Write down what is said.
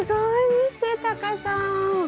見てタカさん。